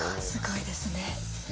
すごいですね。